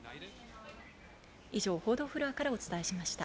以上、報道フロアからお伝えしました。